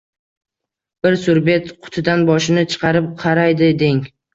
Bir surbet... qutidan boshini chiqarib qaraydi deng.